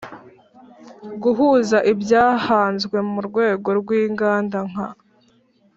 guhuza ibyahanzwe mu rwego rw inganda nka